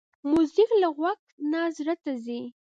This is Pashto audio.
موزیک له غوږ نه زړه ته ځي.